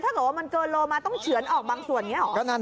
ถ้าเกิดว่ามันเกินโลมาต้องเฉือนออกบางส่วนอย่างนี้หรอ